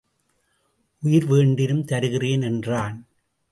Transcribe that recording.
உயிர் வேண்டினும் தருகிறேன் என்றான்.